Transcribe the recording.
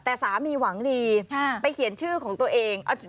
แต่สามีหวังดีไปเขียนชื่อของตัวเอง